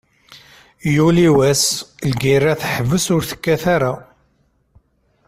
Yuli wass, lgerra teḥbes ur tekkat ara.